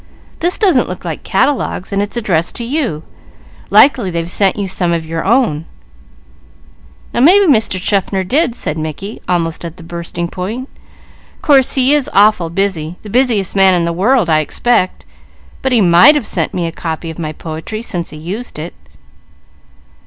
"This doesn't look like catalogues, and it's addressed to you. Likely they've sent you some of your own." "Now maybe Mr. Chaffner did," said Mickey, almost at the bursting point. "Course he is awful busy, the busiest man in the world, I expect, but he might have sent me a copy of my poetry, since he used it."